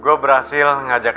gue berhasil ngajaknya